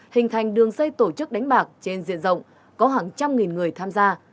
hình thành đường xây tổ chức đánh bạc trên diện rộng có hàng trăm nghìn người tham gia